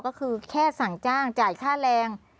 ก็คือแค่สั่งจ้างจ่ายค่าแรง